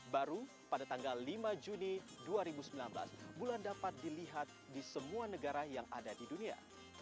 baru pada tanggal lima juni dua ribu sembilan belas bulan dapat dilihat di semua negara yang ada di dunia